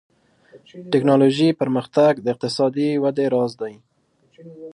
ټکنالوژي پرمختګ د اقتصادي ودې راز دی.